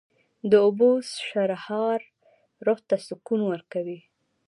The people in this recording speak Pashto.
د اوبو شرهار روح ته سکون ورکوي